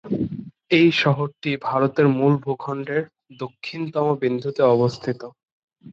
এই শহরটি ভারতের মূল ভূখণ্ডের দক্ষিণতম বিন্দুতে অবস্থিত।